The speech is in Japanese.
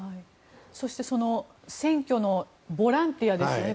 そして選挙のボランティアですよね